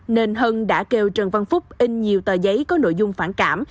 nên hân đã kêu trần văn phúc in nhiều tờ giấy có nội dung phản cảm